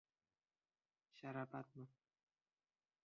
— Sharapatmi?